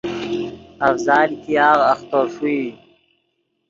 افضال ګیاغ اختو ݰوئی